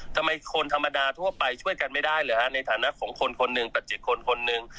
ทำไมคนธรรมดาทั่วไปช่วยกันไม่ได้เลยฮะในฐานะของคนคนหนึ่งประจิตคนคนหนึ่ง